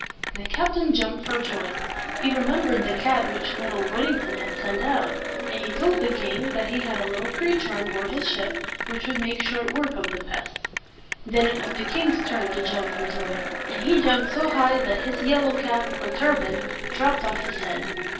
The captain jumped for joy. He remembered the cat which little Whittington had sent out; and he told the king that he had a little creature on board his ship which would make short work of the pests. Then it was the king's turn to jump for joy; and he jumped so high, that his yellow cap, or turban, dropped off his head.